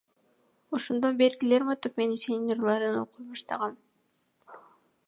Ошондон бери Лермонтов менен Есениндин ырларын окуй баштагам.